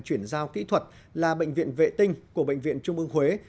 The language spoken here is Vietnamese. chuyển giao kỹ thuật là bệnh viện vệ tinh của bệnh viện trung ương huế